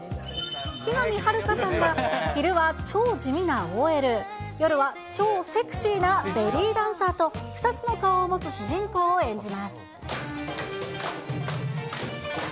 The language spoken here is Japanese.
木南晴夏さんが昼は超地味なＯＬ、夜は超セクシーなベリーダンサーと、２つの顔を持つ主人公を演じます。